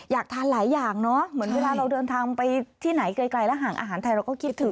อยากทานหลายอย่างเนอะเหมือนเวลาเราเดินทางไปที่ไหนไกลแล้วห่างอาหารไทยเราก็คิดถึง